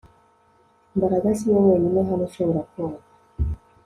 Mbaraga siwe wenyine hano ushobora koga